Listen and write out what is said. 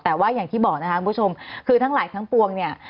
แต่ว่าอย่างที่บอกนะคะคุณผู้ชมคือทั้งหลายทั้งปวงเนี่ย